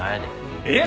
えっ？